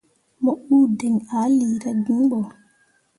Mo uu diŋ ah lira gin bo.